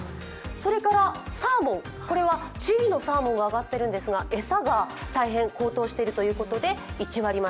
それからサーモン、チリのサーモンが上がっているんですが餌が大変高騰しているということで１割増。